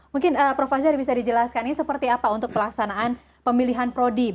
mungkin prof fazer bisa dijelaskan ini seperti apa untuk pelaksanaan pemilihan pro dinya